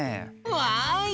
わい！